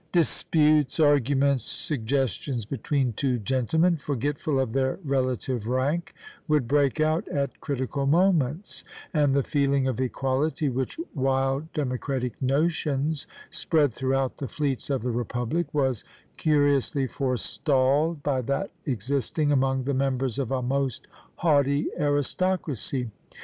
Disputes, arguments, suggestions, between two gentlemen, forgetful of their relative rank, would break out at critical moments, and the feeling of equality, which wild democratic notions spread throughout the fleets of the republic, was curiously forestalled by that existing among the members of a most haughty aristocracy.